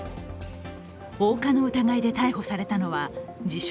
放火の疑いで逮捕されたのは自称